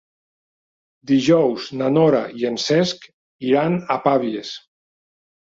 Dijous na Nora i en Cesc iran a Pavies.